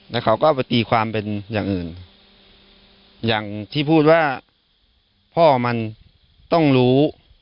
แล้วเขาก็ไปตีความเป็นอย่างอื่นอย่างที่พูดว่าพ่อมันต้องรู้